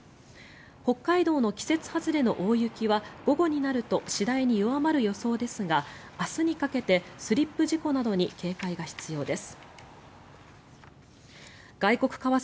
北海道の季節外れの大雪は午後になると次第に弱まる予想ですが明日にかけてスリップ事故などに警戒が必要です。